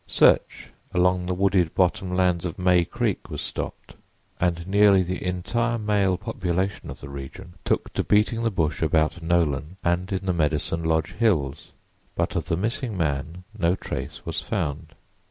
Search along the wooded bottom lands of May Creek was stopped and nearly the entire male population of the region took to beating the bush about Nolan and in the Medicine Lodge Hills. But of the missing man no trace was found.